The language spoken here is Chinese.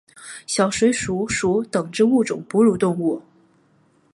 小水鼠属等之数种哺乳动物。